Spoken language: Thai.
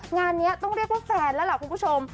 งานนี้ต้องเรียกว่าแฟนแล้วล่ะคุณผู้ชม